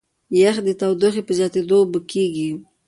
یخ د تودوخې په زیاتېدو اوبه کېږي.